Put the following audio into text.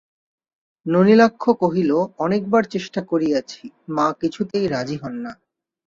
নলিনাক্ষ কহিল, অনেকবার চেষ্টা করিয়াছি, মা কিছুতেই রাজি হন না।